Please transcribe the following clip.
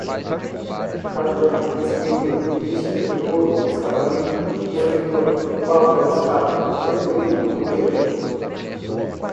cardã, esmeril, lixa, rebolo, escapamento, coletor, válvula de escape, ventoinha, correia